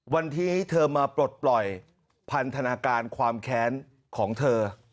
วันนี้เธอมาปลดปล่อยพันธนาการความแค้นของเธอ